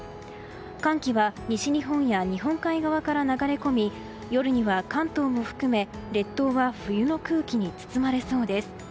寒気は、西日本や日本海側から流れ込み夜には関東も含め列島は冬の空気に包まれそうです。